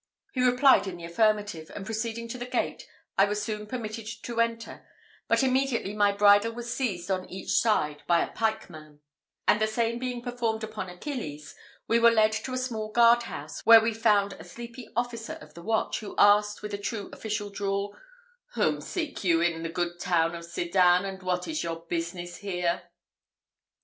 He replied in the affirmative, and proceeding to the gate, I was soon permitted to enter, but immediately my bridle was seized on each side by a pikeman; and the same being performed upon Achilles, we were led on to a small guard house, where we found a sleepy officer of the watch, who asked, with a true official drawl, "Whom seek you in the good town of Sedan, and what is your business here?"